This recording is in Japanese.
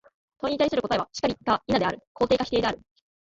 問に対する答は、「然り」か「否」である、肯定か否定である。